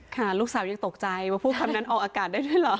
ลูกสาวยังตกใจว่าพูดคำนั้นออกอากาศได้ด้วยเหรอ